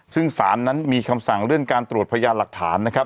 ซึ่งศาลนั้นมีคำสั่งเลื่อนการตรวจพยานหลักฐานนะครับ